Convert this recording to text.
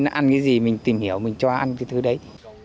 nó ăn cái gì mình tìm hiểu mình cho ăn cái thứ đấy